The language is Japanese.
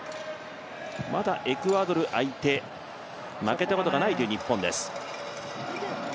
まだエクアドル相手、負けたことがない日本です。